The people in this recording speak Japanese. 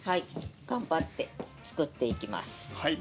頑張って作っていきます。